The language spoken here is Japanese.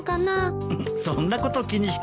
そんなこと気にしてるのかい？